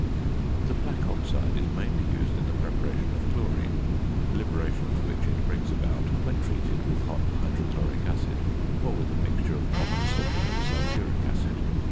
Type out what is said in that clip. The black oxide is mainly used in the preparation of chlorine, liberation of which it brings about when treated with hot hydrochloric acid, or with a mixture of common salt and sulphuric acid.